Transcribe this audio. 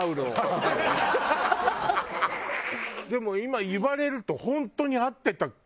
でも今言われると本当に合ってた。